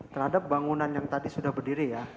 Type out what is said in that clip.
terhadap bangunan yang tadi sudah berdiri ya